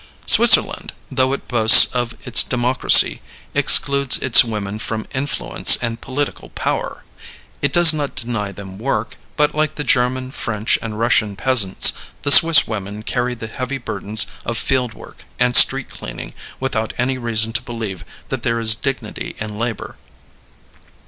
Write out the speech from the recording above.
Switzerland, though it boasts of its democracy, excludes its women from influence and political power. It does not deny them work, but like the German, French, and Russian peasants, the Swiss women carry the heavy burdens of field work and street cleaning without any reason to believe that there is dignity in labor.